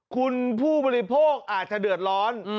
คุณผู้บริโภคอาจจะเดือดร้อน